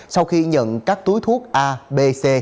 sau khi nhận các túi thuốc a b c